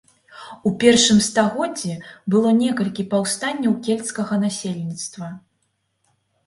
У першым стагоддзі было некалькі паўстанняў кельцкага насельніцтва.